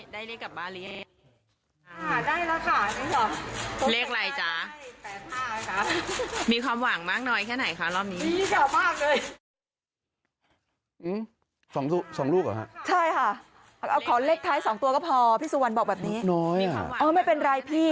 ได้แล้วค่ะนี่เหรอ